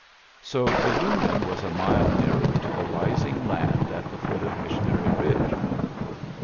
So the Union was a mile nearer to the rising land at the foot of Missionary Bidge.